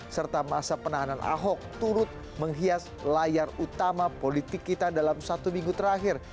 serta masa penahanan ahok turut menghias layar utama politik kita dalam satu minggu terakhir